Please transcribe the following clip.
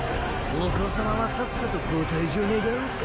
お子様はさっさとご退場願おうか。